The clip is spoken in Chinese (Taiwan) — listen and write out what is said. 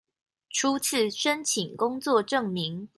初次申請工作證明